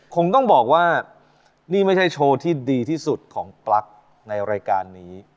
คงต้องบอกว่านี่ไม่ใช่โชว์ที่ดีที่สุดของปลั๊กในรายการนี้